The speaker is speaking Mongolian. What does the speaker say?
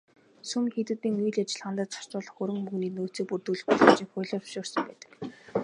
Сүм хийдүүдийн үйл ажиллагаандаа зарцуулах хөрөнгө мөнгөний нөөцийг бүрдүүлэх боломжийг хуулиар зөвшөөрсөн байдаг.